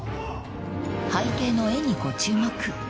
［背景の絵にご注目］